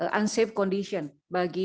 kondisi yang tidak selamat bagi